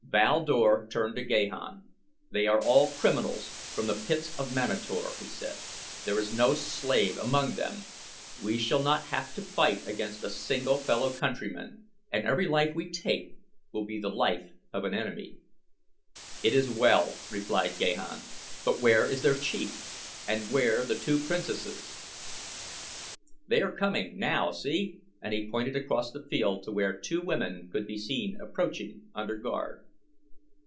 Val Dor turned to Gahan. "They are all criminals from the pits of Manator," he said. "There is no slave among them. We shall not have to fight against a single fellow countryman and every life we take will be the life of an enemy." "It is well," replied Gahan; "but where is their Chief, and where the two Princesses?" "They are coming now, see?" and he pointed across the field to where two women could be seen approaching under guard.